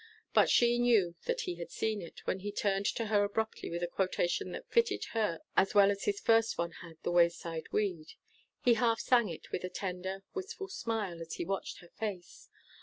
But she knew that he had seen it, when he turned to her abruptly with a quotation that fitted her as well as his first one had the wayside weed. He half sang it, with a tender, wistful smile, as he watched her face.